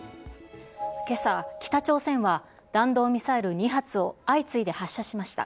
けさ、北朝鮮は、弾道ミサイル２発を相次いで発射しました。